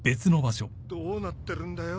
どうなってるんだよ